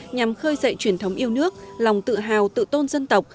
nhằm khơi dậy truyền thống yêu nước lòng tự hào tự tôn dân tộc